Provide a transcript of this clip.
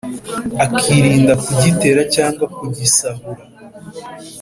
akirinda kugitera cyangwa kugisahura.